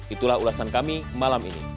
itulah ulasan kami malam ini